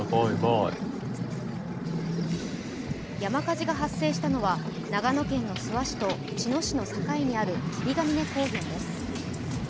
山火事が発生したのは長野県の諏訪市と、茅野市の境にある霧ヶ峰高原です。